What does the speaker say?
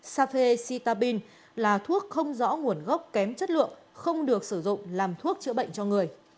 safe sitabin là thuốc không rõ nguồn gốc kém chất lượng không được sử dụng làm thuốc chữa bệnh cho người